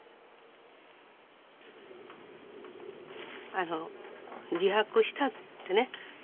あの「自白した」ってね。